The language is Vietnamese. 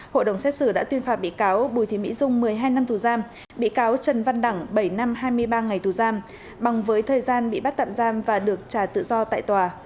hội đồng xét xử đã tuyên phạt bị cáo bùi thị mỹ dung một mươi hai năm tù giam bị cáo trần văn đẳng bảy năm hai mươi ba ngày tù giam bằng với thời gian bị bắt tạm giam và được trả tự do tại tòa